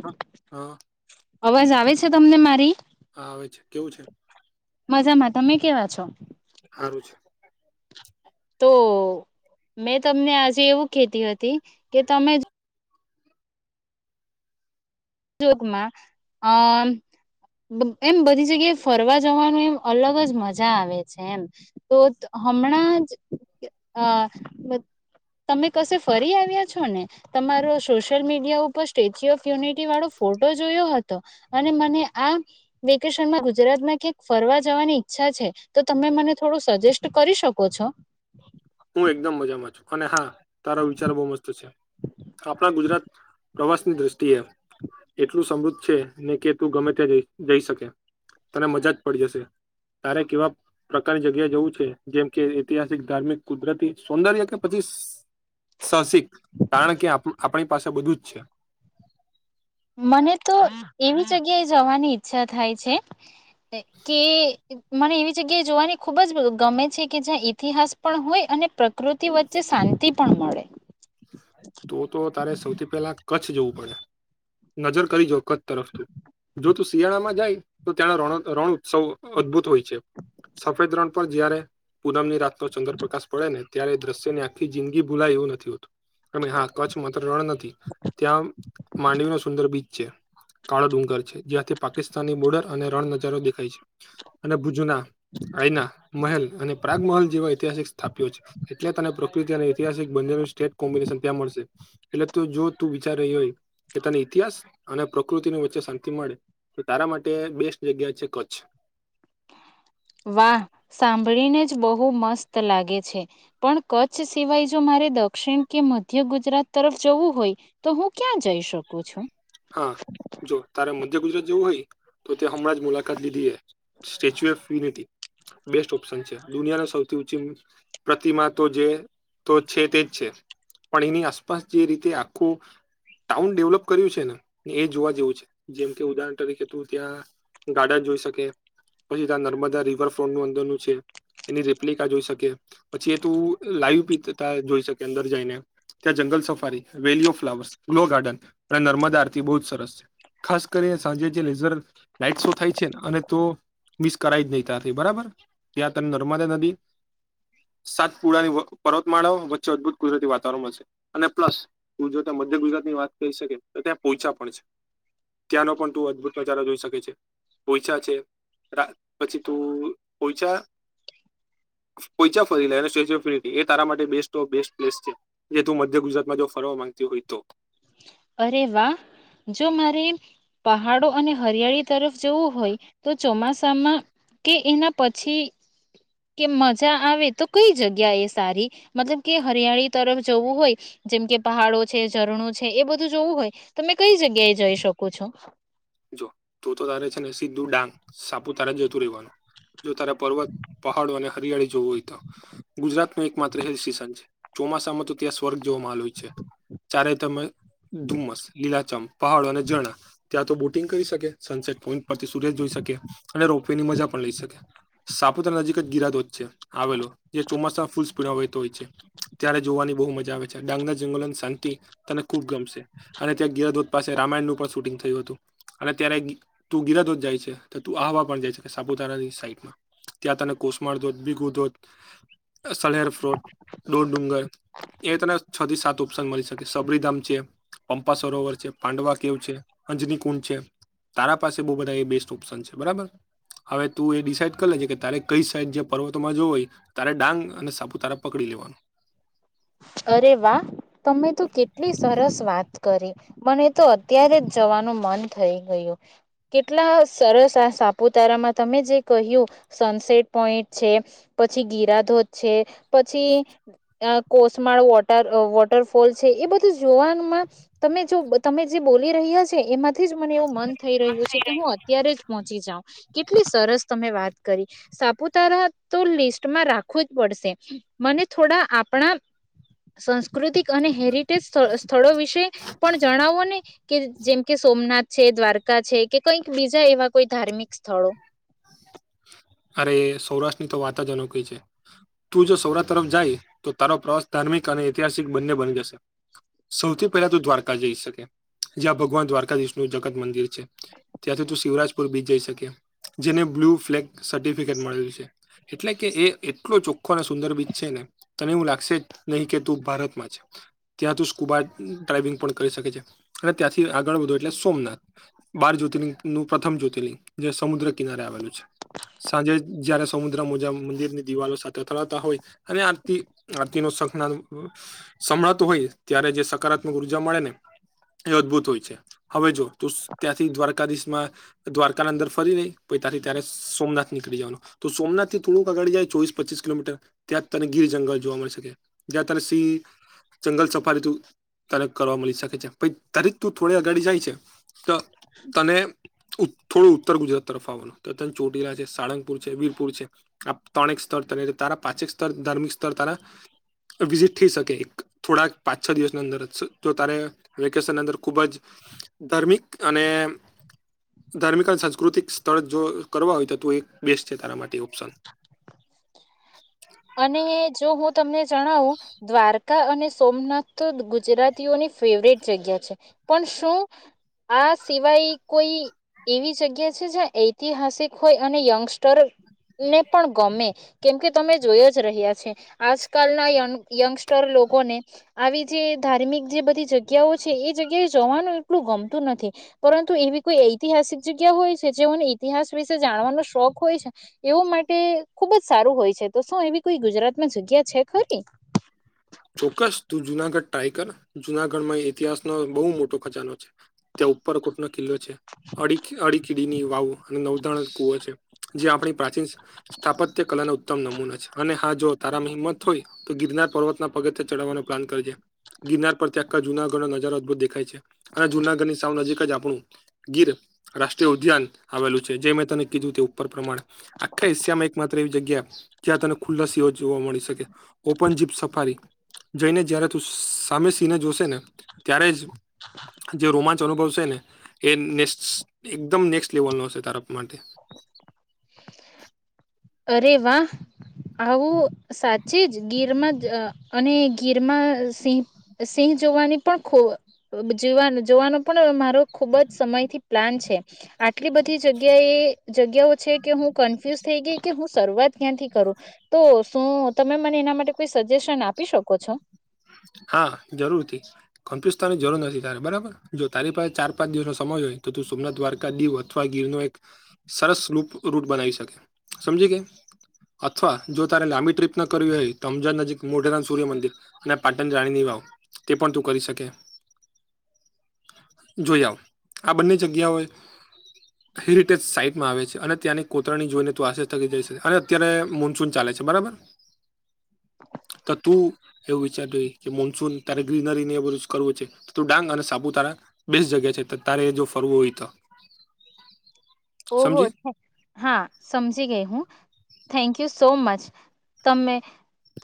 હા હા અવાજ આવે છે તમને મારી? હા, આવે છે કેવું છે? મજામાં તમે કેવા છો? સારું [unintelligible] તો મેં તમને આજે એવું કતી હતી, કે તમે જોગમાં અમ એમ બધી જગ્યાએ ફરવા જવાનું એમ અલગ જ મજા આવે છે, એમ તો હમણાં જ તમે કશે ફરી આવ્યા છો ને? તમારો સોશિયલ મીડિયા ઉપર સ્ટેચ્યુ ઓફ યુનિટી વાળો ફોટો જોયો હતો, અને મને આ વેકેશનમાં ગુજરાતમાં ક્યાંક ફરવા જવાની ઈચ્છા તો તમે મને થોડું સજેસ્ટ કરી શકો છો? હું એકદમ મજામાં છું, અને હા તારા વિચાર બહુ મસ્ત છે. આપણા ગુજરાત પ્રવાસની દ્રષ્ટિએ એટલું સમૃદ્ધ છે, ને કે તું ગમે ત્યાં જઈ શકે તને મજા જ પડી જશે. તારે કેવા પ્રકારની જગ્યા જવું છે, જેમ કે ઐતિહાસિક ધાર્મિક કુદરતી સૌંદર્ય કે પછી સાહસિક કારણ કે આપણી પાસે બધું જ છે. મને તો એવી જગ્યાએ જવાની ઈચ્છા થાય છે, કે મને એવી જગ્યાએ જોવાની ખૂબ જ ગમે છે, કે જ્યાં ઇતિહાસ પણ હોય અને પ્રકૃતિ વચ્ચે શાંતિ પણ હોય. મળે તો તો તારે સૌથી પહેલા કચ્છ જવું પડે નજર કરી જો કચ્છ તર જો તું શિયાળામાં જાય તો ત્યાંના રણ રણ ઉત્સવ અદ્ભુત હોય છે. સફેદ રણ પર જય્યારે પૂનમની રાત તો ચંદ્રપ્રકાશ પડેને ત્યારે દ્રશ્ય ને આખી જિંદગી ભૂલાય એવું નથી હોતું. એ હા કચ્છ માત્ર રણ નથી ત્યાં માંડવી નો સુંદર બીચ છે. કાળો ડુંગર છે જ્યાંથી પાકિસ્તાનની બોર્ડર અને રણ નજારો દેખાય છે અને ભુજના અઈના મહેલ. અને પ્રાગમલ જેવા ઐતિહાસિક સ્થાપ્યો છે એટલે તને પ્રકૃતિ અને ઐતિહાસિક બંનું સ્ટેટ કોમ્બિનેશન ત્યાં મળશે એટલે જો તું વિચાર રહી હોય. કેતાની ઇતિહાસ અને પ્રકૃતિની વચ્ચે શાંતિ મળે. તો તારા માટે બેસ્ટ જગ્યા છે કચ્છ વાહ સાંભળીને જ બહુ મસ્ત લાગે છે પણ કચ્છ સિવાય જો મારે રે દક્ષિણ કે મધ્ય ગુજરાત તરફ જવું હોય તો હું ક્યાં જઈ શકું છું. ધ્ય ગુજરાત જવું હોય તો ત્યાં હમણાં જ મુલાકાત લીધી છે Statue of Unity best option છે દુનિયાની સૌથી ઊંચી પ્રતિમા તો જે તો છે તે જ છે પણ એની આસપાસ જે રીતે આખું ટાઉન ડેવલપ કર્યું છે ને. એ જોવા જેવું છે જેમ કે ઉદાહરણ તરીકે તું ત્યાં ગાર્ડન જોઈ શકે. પછી ત્યાં નર્મદા રિવરફ્રન્ટ ન અંદરનું છે. એની રેપ્લિકા જોઈ શકે પછી એ તું લાઈવ પીતા જોઈ શકે અંદર જઈને ત્યાં જંગલ સફારી વેલી ઓફ ફ્લાવર્સ ફુલો ગાર્ડન અને નર્મદા બ જ સરસ છે ખાસ કરી સાંજે જે લેઝર લાઈટ શો થાય છે ને અને તો મિસ કરાય જ નહી ત્યાારથી બરાબર ત્યાં તમે નર્મદા નદી સાત પુળની પર્વતમાળા વચ્ચે અદભુત કુદરતી વાતાવરણમાં છે અને પ્લસ મધ્ય ગુજરાત ની વાત કહી શકે તો ત્યાં પોહોંચા પણ છે. ત્યાંનો પણ તું અદભુત પ્રચારો જોઈ શકે છે પઈછા છે. રાત પછી તું પોહચા પોચ્યા ફરી લ સ્ટેચ્યુ ઓફ યુનિટી એ તારા માટે બેસ્ટ ઓ બેસ્ટ પ્લેસ છે જે તું મધ્ય ગુજરાતમાં જો ફર ગે [unintelligible] અરે વાહ જો મારે પહાડો અને હરિયાળી તરફ જવું હોય તો ચોમાસામાં કે એના પછી કે મજા આવે તો કઈ જગ્યા એ સારી મતલબ કે હરિયાળી તરફ જવું હોય. જેમ કે પહાડો છે ઝરણો છે એ બધું જોવું હોય તમે કઈ જગ્યાએ જઈ શકો છો. જો તું તો તારે છે ને સીધું ડાંગ સાપુ તારા જતું રહેવાનું. જો તારે પર્વત પહાડો અને હરિયાળી જોવું હોય તો ગુજરાત ન એક માત્ર હે સ્ટેશન છે. ચોમાસામાં તો ત્યાં સ્વર્ગ જોવામાંલ હોય છે. ચારે તમે ધુમ્મસ લીલાચમ પહાડો અને જણા ત્યાં તો બ કરીકે સનસેટ પોઈન્ટ પરથી સુર જોઈ શકે અને રોપવે ની મજા પણ લઈ શકે સાપુતાર નજીક ગિરાદો છે આવેલો જે ચોમાસા ફૂલ સ્પીડ હોય. હોય ત્યારે જોવાની બહુ મજા આવે છે ડાંગના જંગલોની શાંતિ તને ખુબ ગમશે અને ત્યાં ગીયાધોધ પાસે રામાયણનું પણ શૂટિંગ થય હતું. અને ત્યારે તું ગિરધોજ જાય છે તો તું આહવા પણ જાય છે સાપુતારાની સાઈડમાં ત્યાં તને કોસમાર ધોધ બીગુ ધોધ સર ફ્રોટ ડોર ડુંગર એ તને છ થી સાત ઓપ્શન મળી શકે સબરીધામ છે પં્પા સરોવર છે પાંડવા કેવ છે અંજની છે તારા પાસે બ બધા એ બેસ્ટ ઓપ્શન છે બરાબર. હવે તું એ ડિસાઇડ કરી લેજે કે તારે કઈ સાઈડ જે પર્વતમાં જોવું હોય તારે ડાંગ અને સાપુતારા પકડી લેવાનું. [unintelligible] અરે વાહ તમે તો કેટલી સરસ વાત કરી મને તો અત્યારે જ જવાનું મન થઈ ગયું કેટલા સરસ. સાપુતારામાં તમે જે કહ્યું સનસેટ પોઈન્ટ છે પછી ગિરાધોધ છે. પછી કોસમાળ વોટર વોટરફોલ છે એ બધું જોવામાં તમે જો તમે જે બોલી રહ્યા છે એમાંથી જ મને એવું મન થઈ રહ્યું છે કે હું અત્યારે જ પહોંચી જાઉ કેટલી સરસ તમે વાત કરી સાપુતારા તો લિસ્ટમાં રાખવું જ પડશે મને થોડા આપણા સાસ્કૃતિક અને હેરી સ્થળો વિશે પણ જણાવો ને કે જેમ કે સોમનાથ છે દ્વારકા છે કે કઈક બીજા એવા કોઈ ધાર્મિક સ્થળો અરે સૌરાષ્ટ્રની તો વાતા જ અલગ હોય છે તું જો સૌરાષ્ટ્ર તરફ જાય તો તારો પ્રવાસ ધાર્મિક અને ઐતિહાસિક બંને બની જશે સૌથી પહેલા તો દ્વારકા જઈ શકે જ્યાં ભગવાન દ્વારકાધીશનું જગત મંદિર છે ત્યાંથી તું શિવરાજપુર બી જઈ શકી જેને બ્લુ ફ્લેગ સર્ટિફિકેટ મળેલ છે એટલે કે એટલો ચોખ્ખો અને સુંદર બીચ છે ને તને એવું લાગશે નહી કે ત ભારતમાં ત્યાં ત સ્કૂબા ડ્રાઈવિંગ પણ કરી શકે છે અને ત્યાંથી આગળ વધું એટલે સોમનાથ બાર જ્યોતિર્લિંગ નું પ્રથમ જ્યોતિર્લિંગ જે સમુદ્ર કિનારે આવેલું છે. સાંજે જયારે સમુદ્ર મુજા મંદિર ની દિવાલો સાથે અથરાતા હોય અને આરતી આરતી સંભાળતું હોય ત્યારે જે સકારાત્મક ઉર્જા મળે ને એ અદભુત હોય છે હવે જો. ત્યાંથી દ્વારકાધીશ માં દ્વારકાની અંદર ફરી રહી ત્યાથી ત્યારે સોમનાથ નીકળી જવાનું તો સોમથથી થોડુંક આગળ જાય ચોવીસપચીંસ કિલોમીટર ત્યાં તને ગીર જંગલ જોવા મળે. જ તને સિંહ જંગલ સફાડી હતું. ત્યારે કરવા મળી શકે છે પણ તરે તું થોડી અઘાડી જાય છે. તને થોડું ઉત્તર ગુજરાત તરફ આવવાનું. ત ચોટીલા છે સાળંગપુર છે વીરપુર છે આ ત્રણેક સ્તર તારા પાછેક સ્તર ધાર્મિક સ્તર [inaudible] વિઝિટ થઈ શકે એક થોડાક પાંચ છ દિવસની અંદર જો તારે વેકેશનની અંદર ખૂબ જ. ધાર્મિક અને ધાર્મિક અને સાંસ્કૃતિક સ્તર જો કરવા હોય તો તો એક બેસ્ટ છે તારા માટે ઓપ્શન. અને જો હું તમને જણાવું દ્વારકા અને સોમનાથ તો ગુજરાતીઓની ફેવરેટ જગ્યા છે પણ શું. આ સિવાય કોઈ એવી જગ્યા છે જ્યાં ઐતિહાસિક હોય અને યંગસ્ટર ને પણ ગમે કેમ કે તમે. જોયો જ રહ્યા છે આજકાલના યંગસ્ટર લોકોને આવી જે ધાર્મિક જે બધી જગ્યાઓ છે એ જગ્યાએ જવાનું એટલું ગમતું નથી પરંતુ એવી કોઈ ઐતિહાસિક જગ્યા હોય છે જેઓને ઇતિહાસ વિશે જાણવાનો શોખ હોય છે એવો માટે. ખુબ જ સારું હોય છે તો શું એવી કોઈ ગુજરાતમાં જગ્યા છે ખરી. ચોક્કસ તું જુનાગઢ ટાઈગર જુનાગઢમાં ઈતિહાસ નો બહુ મોટો ખજાનો છે ત્યાં ઉપર કોટ કિલ્લો છે અડી અડી કીડીની વાવો અને નવધારણ કુવો છે. જે આપણી પ્રાચીન સ્થાપત્ય કલાના ઉત્તમ નમૂના છે અને હા જો તારા હિંમત હોય તો ગિરનાર પર્વત પગઠીયા ચડવાનો પ્લાન કરજે ગિરનાર પર ત્યાં જુનાગઢનો નજારો અદભુત દેખાય છે અને જુનાગઢની સાવ નજીક જ આપણું ગીર રાષ્ટ્રીય ઉદ્યાન આવેલું છે જે મેં તને કીધું તે ઉપર પ્રમાણે આખા એશિયામાં એક માત્ર એવી જગ્યા ત્યાં તને ખુલ્લાસીઓ સિંહો જોવા મળી શકે ઓપન જીપ સફારી જઈને જય્યારે તું સામે સિહને જોશે ને ત્યારે જ. જે રોમાંચ અનુભવ છે ને એ ને એકદમ નેક્સ્ટ લેવલ નો છે તારા માટે. [inaudible] અરે વાહ આવું સાચી જ ગીરમાં જ અને ગીરમાં સિંહ સિંહ જોવાની પણ ખોવ જોવાન જોવાનો પણ મારો ખુબ જ સમયથી પ્લાન છે. આટલી બધી જગ્યા એ જગ્યાઓ છે કે હું કન્ફ્યુઝ થઈ ગઈ કે હું શરૂઆત ક્યાંથી કરું તો શું તમે મને એના માટે કોઈ સજેશન આપી શકો છો. [inaudible] હા જરૂર થી કનફ્યુઝ થવાની જરૂર નથી તારે બરાબર જો તારી પાસે ચાર પાંચ દિવસનો સમય હોય તો તું સોમનાથ દ્વારકા દીવ અથવા ગીર નો એક સરસ રૂપ રૂટ બનાવી શકે સમજી ગઈ. અથવા જો તારે લાંબી ટ્રીપ ના કરવી હોય અમજદ નજીક મોઢેરા સૂર્ય મંદિર અને પાટણ જાળીની વાવ તે પણ તું કરી શકે. જોઈ આવ આ બંને જગ્યાઓએ હેરિટેજ સાઈટમાં આવે છે અને ત્યાંની કોતરણી જોઈને તું આશ્ચર્ય થકી જશે અને અત્યારે મોન્સૂન ચાલે છે. બરાબર તો તું એવું વિચારતી હોય કે મોન્સૂન તારે ગ્રીનરી ની એ બધુ જ કરવું છે તો તું ડાંગ અને સાપુતારા બેસ્ટ જગ્યા છે. તારે એ જો ફરવું હોય તો. ઓહો સમજી અચ્છા હા સમજી ગઈ હું થેન્ક યુ સો મચ તમે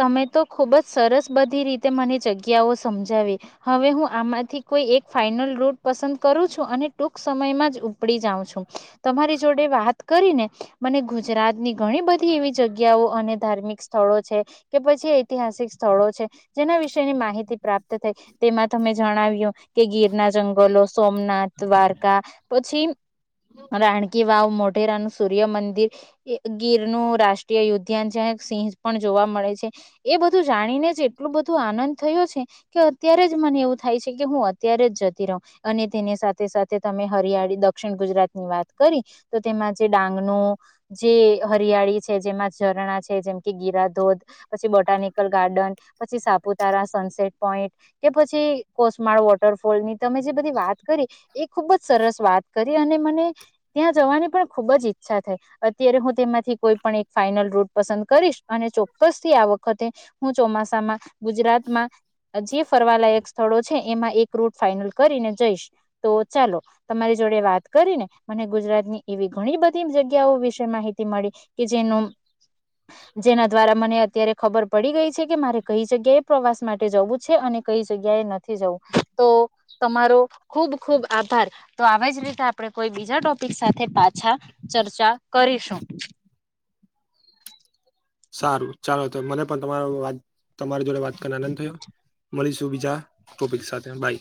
તમે તો ખુબ જ સરસ બધી રીતે મને જગ્યાઓ સમજાવી હવે હું આમાંથી કોઈ એક ફાઈનલ રૂટ પસંદ કરું છું અને ટૂંક સમયમાં જ ઉપડી જાઉં છું. તમારી જોડે વાત કરીને મને ગુજરાતની ઘણી બધી એવી જગ્યાઓ અને ધાર્મિક સ્થળો છે કે પછ ઐતિહાસિક સ્થળો છે જેના વિશેની માહિતી પ્રાપ્ત થઈ તેમાં તમે જણાવ્યું કે ગી ગીરના જંગલો સોમનાથ દ્વારકા પછી [inaudible] રાણકી વાવ, મોઢેરાનું સૂર્યમંદિર, ગીરનું રાષ્ટ્રીય ઉધ્યાન જ્યાં સિંહ પણ જોવા મળે છે એ બધું જાણીને જ એટલું બધું આનંદ થયો છે કે અત્યારે જ મને એ થાય છે કે હું અત્યારે જ જતી રહું અને તેની સાથે સાથે તમે હરિયાળી દક્ષિણ ગુજરાતની વાત કરી તો તેમાં જે ડાંગ નો જે હરિયાળી છે જેમાં ઝરણા છે જેમ કે ગી રા ધોધ પછી બોટાનિકલ ગાર્ડન પછી સાપુતારા સનસેટ પોઈન્ટ કે પછી કોસમાળ વોટરફોલ ની તમે જે બધી વાત કરી એ ખુબ જ સરસ વાત કરી અને મને ત્યાં જવાની પણ ખુબ જ ઈચ્છા થઈ અત્યારે હું તેમાંથી કોઈ પણ એક ફાઈનલ રૂટ પસંદ કરીશ અને ચોક્કસ થી આ વખતે હું ચોમાસામાં ગુજરાતમાં જે ફરવાલાયક સ્થળો છે એમાં એક રૂટ ફાાઈનલ કરીને જઈશ તો ચાલો તમારે જોડે વાત કરી ને મને ગુજરાતની એવી ઘણી બધી જગ્યાઓ વિશે માહિતી મળી કે જેનું જેના દ્વારા મને અત્યારે ખબર પડી ગઈ છે કે મારે કઈ જગ્યાએ પ્રવાસ માટે જવું છે અને કઈ જગ્યાએ નથી જવું તો તમારો ખુબ ખુબ આભાર તો આવી જ રીતે આપણે કોઈ બી જા ટોપિક સાથે પાછા ચર્ચા કરીશું. સારું ચાલો. તો મને પણ તમારો વાત તમારી જોડે વાત કરને આનંદ થયો મળીશું બીજા ટોપિક સાથે બાઈ.